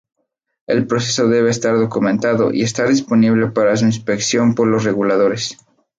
El proceso debe estar documentado y estar disponible para su inspección por los reguladores.